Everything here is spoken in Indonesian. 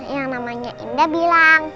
yang namanya indah bilang